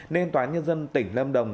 nên tòa nhân dân tỉnh lâm đồng